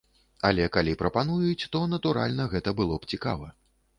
Але, калі прапануюць, то, натуральна, гэта было б цікава.